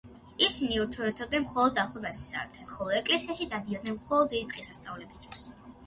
ისინი ურთიერთობდნენ მხოლოდ ახლო ნათესავებთან, ხოლო ეკლესიაში დადიოდნენ მხოლოდ დიდი დღესასწაულების დროს.